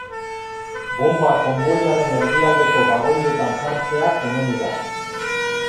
Bonba konboiaren erdialdeko bagoietan jartzea komeni da.